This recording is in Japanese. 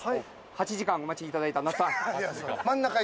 ８時間お待ちいただいた那須さん。